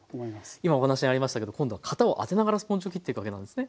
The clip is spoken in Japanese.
今お話にありましたけど今度は型を当てながらスポンジを切っていくわけなんですね。